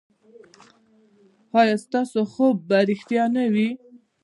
ایا ستاسو خوب به ریښتیا نه وي؟